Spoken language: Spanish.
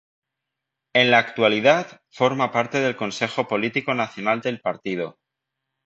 En la actualidad, forma parte del Consejo Político Nacional del partido.